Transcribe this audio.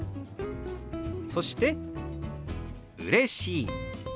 そして「うれしい」。